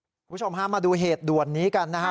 คุณผู้ชมห้ามมาดูเหตุด่วนนี้กันนะครับ